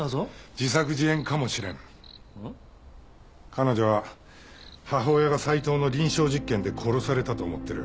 彼女は母親が斎藤の臨床実験で殺されたと思ってる。